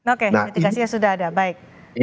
oke mitigasinya sudah ada baik